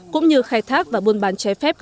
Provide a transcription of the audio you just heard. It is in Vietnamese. cũng như khai thác và buôn bàn